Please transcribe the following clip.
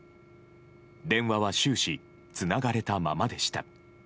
電話は終始つながれたままでした。